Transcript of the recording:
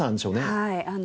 はい。